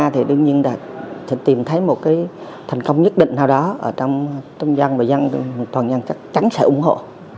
thì đương nhiên là sẽ tìm thấy một cái thành công nhất định nào đó ở trong dân và dân toàn dân chắc chắn sẽ ủng hộ